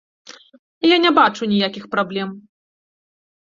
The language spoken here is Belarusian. Я не бачу ніякіх праблем.